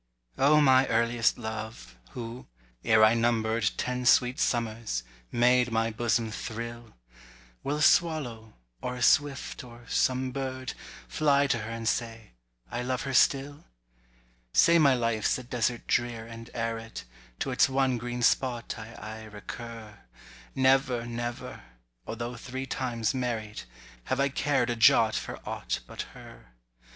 O MY earliest love, who, ere I number'd Ten sweet summers, made my bosom thrill! Will a swallow—or a swift, or some bird— Fly to her and say, I love her still? Say my life's a desert drear and arid, To its one green spot I aye recur: Never, never—although three times married— Have I cared a jot for aught but her.